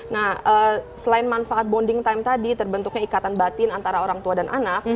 nah selain manfaat bonding time tadi terbentuknya ikatan batin antara orang tua dan anak